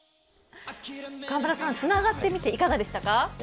川村さん、つながってみていかかでしたか？